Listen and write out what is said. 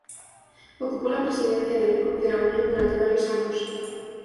Ocupó la presidencia del Club de la Unión durante varios años.